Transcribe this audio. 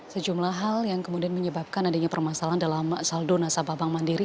sejumlah hal yang kemudian menyebabkan adanya permasalahan dalam saldo nasabah bank mandiri